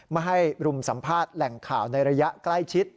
ไม่ให้รุมสัมภาษณ์แหล่งข่าวในระยะใกล้ชิด